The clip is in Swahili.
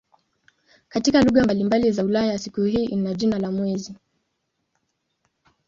Katika lugha mbalimbali za Ulaya siku hii ina jina la "mwezi".